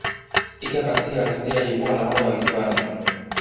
iker casilas ndiye aliyekuwa nahodha wa hispania